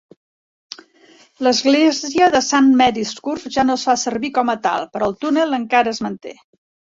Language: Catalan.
L'església de Saint Mary's Curve ja no es fa servir com a tal, però el túnel encara es manté.